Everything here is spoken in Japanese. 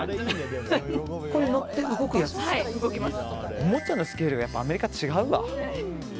おもちゃのスケールがアメリカは違うね。